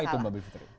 kenapa itu mbak bivitri